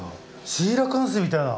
シーラカンスみたいな。